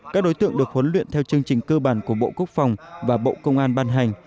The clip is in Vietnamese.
các đối tượng được huấn luyện theo chương trình cơ bản của bộ quốc phòng và bộ công an ban hành